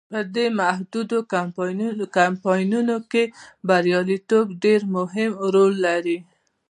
په دې محدودو کمپاینونو کې بریالیتوب ډیر مهم رول لري.